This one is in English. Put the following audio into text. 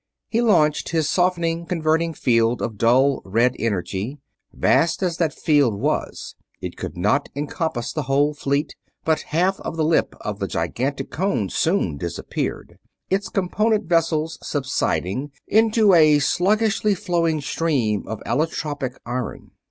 He launched his softening, converting field of dull red energy. Vast as that field was, it could not encompass the whole fleet, but half of the lip of the gigantic cone soon disappeared, its component vessels subsiding into a sluggishly flowing stream of allotropic iron.